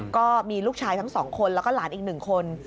ก็มีลูกชายทั้งสองคนแล้วก็หลานอีก๑คน